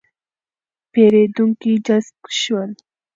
پېرېدونکي جذب شول.